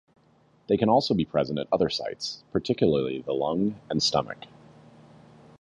They can also be present at other sites, particularly the lung and stomach.